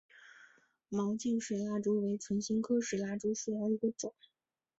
毛茎水蜡烛为唇形科水蜡烛属下的一个种。